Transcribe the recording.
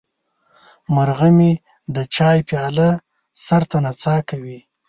مرغه مې د چای پیاله سر ته نڅا کوي.